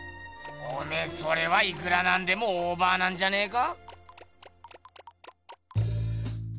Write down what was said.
おめえそれはいくらなんでもオーバーなんじゃねえか？